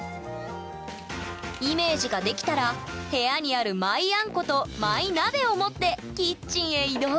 イメージが出来たら部屋にあるマイあんことマイ鍋を持ってキッチンへ移動！